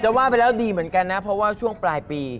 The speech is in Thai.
ว่าไปแล้วดีเหมือนกันนะเพราะว่าช่วงปลายปี